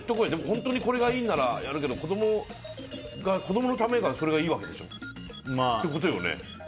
本当にこれがいいならやるけど子供のためにそれがいいってことよね？